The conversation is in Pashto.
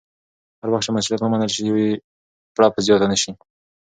هر وخت چې مسوولیت ومنل شي، پړه به زیاته نه شي.